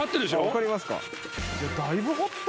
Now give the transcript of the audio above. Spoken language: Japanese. わかりますか？